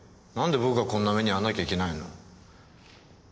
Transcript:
何で僕がこんな目に遭わなきゃいけないの？